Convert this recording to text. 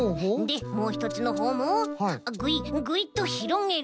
でもうひとつのほうもぐいっぐいっとひろげる。